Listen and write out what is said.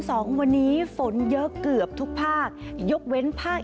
สองวันนี้ฝนเยอะเกือบทุกภาคยกเว้นภาค